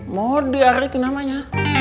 modern itu namanya